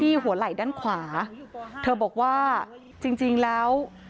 หัวไหล่ด้านขวาเธอบอกว่าจริงจริงแล้ว